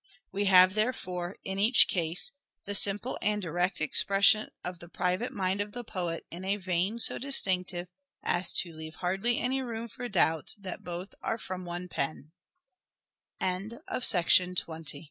We have therefore, in each case, the simple and direct expression of the private mind of the poet in a vein so distinctive as to leave hardly any room for doubt that both are